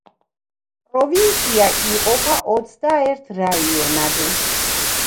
პროვინცია იყოფა ოცდაერთ რაიონად.